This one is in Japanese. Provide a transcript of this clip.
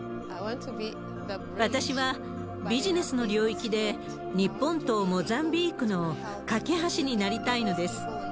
私はビジネスの領域で、日本とモザンビークの懸け橋になりたいのです。